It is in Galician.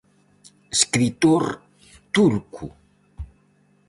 Escritor turco.